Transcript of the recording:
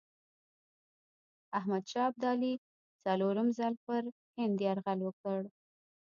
احمدشاه ابدالي څلورم ځل پر هند یرغل وکړ.